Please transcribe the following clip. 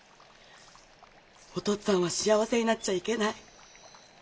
お父っつぁんは幸せになっちゃいけない。